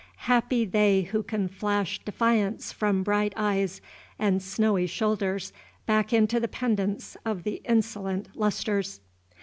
Happy they who can flash defiance from bright eyes and snowy shoulders back into the pendants of the insolent lustres!